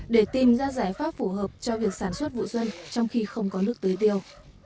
để tìm ra giải pháp phù hợp cho việc sản xuất vụ dân trong khi không có nước tưới tiêu